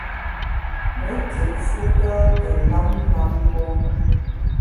Me kit fu tâ te lam lam mgbom.